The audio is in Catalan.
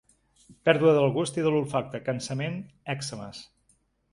Pèrdua del gust i de l’olfacte, cansament, èczemes.